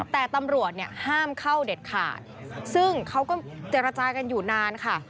แต่ตำรวจเนี่ยห้ามเข้าเด็ดขาดซึ่งเขาก็เจรจากันอยู่นานค่ะ